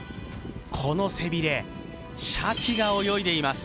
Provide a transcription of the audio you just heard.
この背びれ、シャチが泳いでいます